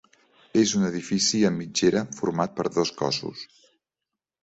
És un edifici amb mitgera format per dos cossos.